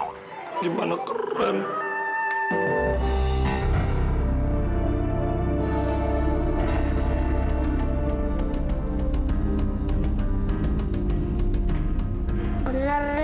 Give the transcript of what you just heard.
kak kevin sekarang kuda keren